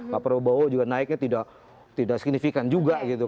paprobawo juga naiknya tidak signifikan juga